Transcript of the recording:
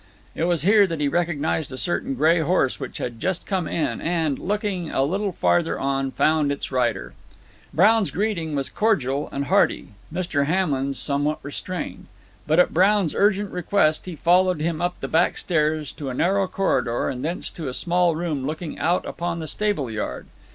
It was here that he recognized a certain gray horse which had just come in, and, looking a little farther on, found his rider. Brown's greeting was cordial and hearty, Mr. Hamlin's somewhat restrained. But at Brown's urgent request, he followed him up the back stairs to a narrow corridor, and thence to a small room looking out upon the stable yard.